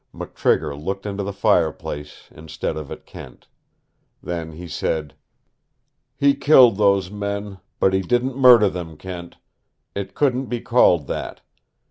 McTrigger looked into the fireplace instead of at Kent. Then he said: "He killed those men, but he didn't murder them, Kent. It couldn't be called that.